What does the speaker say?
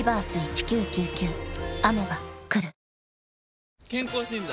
え．．．健康診断？